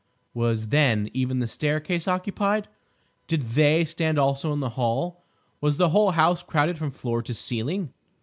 Was, then, even the staircase occupied? Did They stand also in the hall? Was the whole house crowded from floor to ceiling?